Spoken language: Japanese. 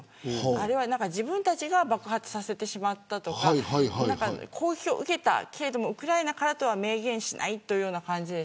あれは自分たちが爆発させてしまったとか攻撃を受けたけれどウクライナからとは明言しないという感じで。